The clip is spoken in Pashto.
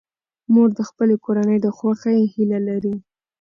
مور د خپلې کورنۍ د خوښۍ هیله لري.